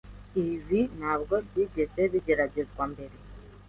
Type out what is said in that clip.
Ibi ntabwo byigeze bigeragezwa mbere.